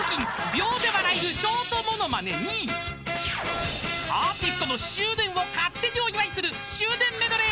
秒で笑えるショートものまねにアーティストの周年を勝手にお祝いする周年メドレーなど］